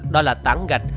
đó là tảng gạch